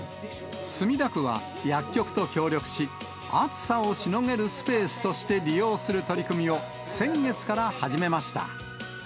墨田区は、薬局と協力し、暑さをしのげるスペースとして利用する取り組みを先月から始めました。